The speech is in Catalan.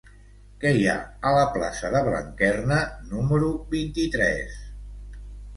Què hi ha a la plaça de Blanquerna número vint-i-tres?